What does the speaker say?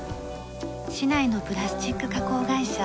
市内のプラスチック加工会社。